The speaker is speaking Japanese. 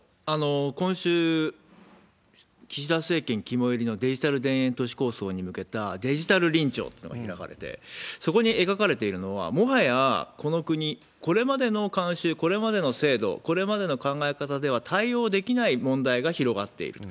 今週、岸田政権肝煎りのデジタル田園都市構想に向けたデジタルりんちょうっていうのが開かれて、そこに描かれているのは、もはやこの国、これまでの慣習、これまでの制度、これまでの考え方では対応できない問題が広がっていると。